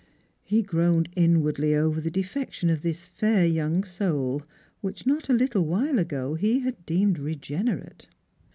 He groaned inwardly over the de fection of this fair young soul, which not a little while ago he had deemed regenerate.